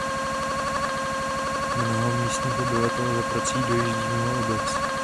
Mnoho místních obyvatel za prací dojíždí mimo obec.